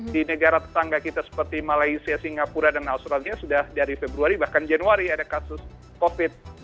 di negara tetangga kita seperti malaysia singapura dan australia sudah dari februari bahkan januari ada kasus covid